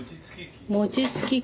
餅つき機。